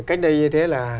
cách đây như thế là